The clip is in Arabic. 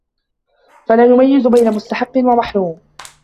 فَلَا يُمَيِّزُ بَيْنَ مُسْتَحِقٍّ وَمَحْرُومٍ